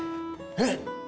えっ！